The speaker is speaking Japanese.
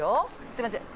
すいません。